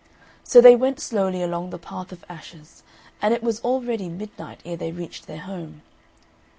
So they went slowly along the path of ashes, and it was already midnight ere they reached their home.